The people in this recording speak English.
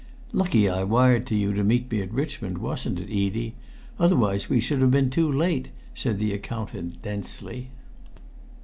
"Lucky I wired to you to meet me at Richmond, wasn't it, Edie? Otherwise we should have been too late," said the accountant densely.